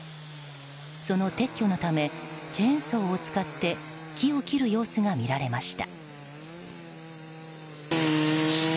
その撤去のためチェーンソーを使って木を切る様子が見られました。